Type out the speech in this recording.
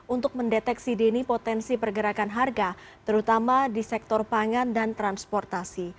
untuk mendeteksi dini potensi pergerakan harga terutama di sektor pangan dan transportasi